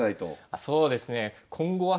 あそうですね。